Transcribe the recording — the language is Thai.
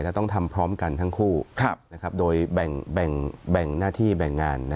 จะต้องทำพร้อมกันทั้งคู่โดยแบ่งหน้าที่แบ่งงาน